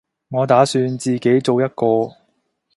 我打算自己做一個